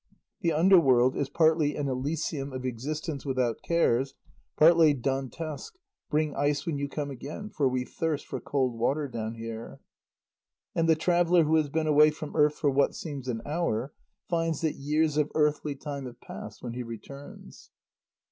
The under world is partly an Elysium of existence without cares; partly Dantesque: "Bring ice when you come again, for we thirst for cold water down here." And the traveller who has been away from earth for what seems an hour, finds that years of earthly time have passed when he returns.